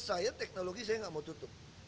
saya teknologi saya nggak mau tutup